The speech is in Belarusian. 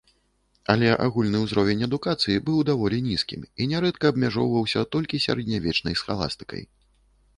Але агульны ўзровень адукацыі быў даволі нізкім і нярэдка абмяжоўваўся толькі сярэднявечнай схаластыкай.